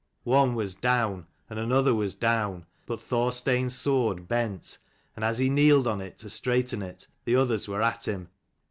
One was down, and another was down ; but Thorstein's sword bent ; and as he kneeled on it to straighten it, the others were at him.